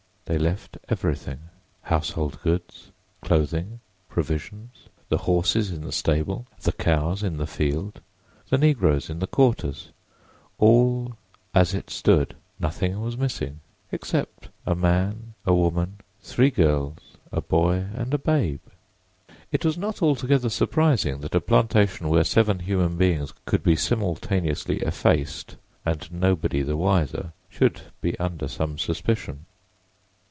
They left everything—household goods, clothing, provisions, the horses in the stable, the cows in the field, the negroes in the quarters—all as it stood; nothing was missing—except a man, a woman, three girls, a boy and a babe! It was not altogether surprising that a plantation where seven human beings could be simultaneously effaced and nobody the wiser should be under some suspicion.